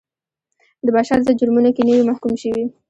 د بشر ضد جرمونو کې نه وي محکوم شوي.